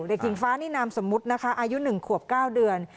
เด็กหญิงฟ้านี่นามสมมุตินะคะอายุหนึ่งขวบเก้าเดือน